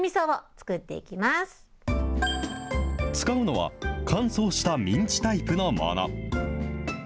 使うのは、乾燥したミンチタイプのもの。